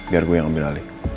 biar gue yang ambil alih